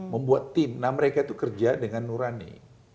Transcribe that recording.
membuat tim nah mereka itu kerja dengan nurani